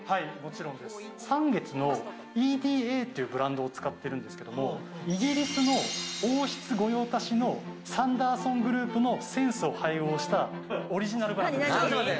サンゲツのＥＤＡっていうブランドを使っているんですけれど、イギリスの王室御用達のサンダーソングループのセンスを配合したオリジナルブランドです。